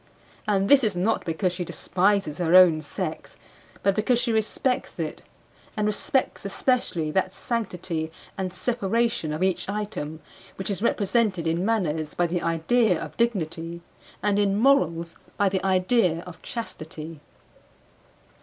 And this is not because she despises her own sex, but because she respects it; and respects especially that sanctity and separation of each item which is represented in manners by the idea of dignity and in morals by the idea of chastity.